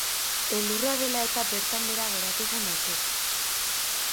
Elurra dela eta bertan behera geratu zen neurketa.